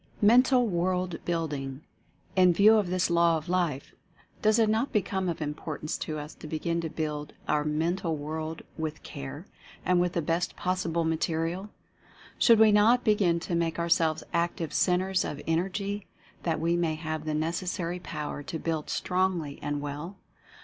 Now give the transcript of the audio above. MENTAL WORLD BUILDING. In view of this law of life, does it not become of im portance to us to begin to build our mental world with care, and with the best possible material? Should we not begin to make ourselves active Centres of En ergy, that we may have the necessary Power to build strongly and well?